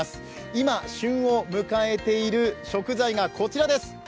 今、旬を迎えている食材がこちらです。